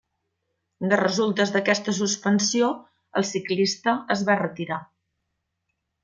De resultes d'aquesta suspensió, el ciclista es va retirar.